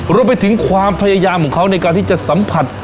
รวมไปถึงความพยายามของเขาในการที่จะสัมผัส